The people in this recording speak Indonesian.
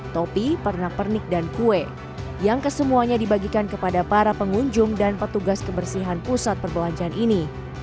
topi pernak pernik dan kue yang kesemuanya dibagikan kepada para pengunjung dan petugas kebersihan pusat perbelanjaan ini